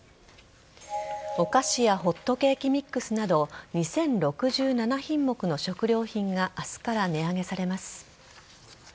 お菓子やホットケーキミックスなど２０６７品目の食料品が明日から値上げされます。